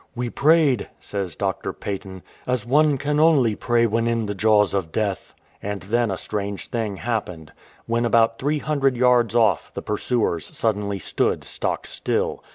"We prayed," says Dr. Paton, "as one can only pray when in the jaws of death." And then a strange thing happened. When about 300 yards off, the pursuers suddenly stood stock still.